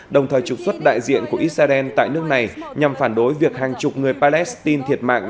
đồng thời trục xuất đại diện của israel tại nước này nhằm phản đối việc hàng chục người palestine thiệt mạng